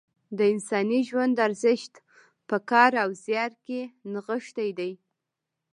د انساني ژوند ارزښت په کار او زیار کې نغښتی دی.